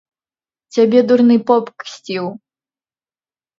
Цябе дурны поп ксціў!